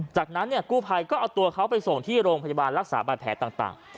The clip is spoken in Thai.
จากนั้นกู้ภัยก็เอาตัวเขาไปส่งที่โรงพยาบาลรักษาบาดแผลต่าง